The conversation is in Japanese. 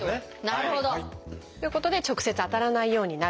なるほど！ということで直接当たらないようになる。